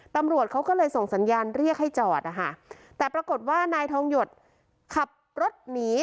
ตำรวจเขาก็เลยส่งสัญญาณเรียกให้จอดนะคะแต่ปรากฏว่านายทองหยดขับรถหนี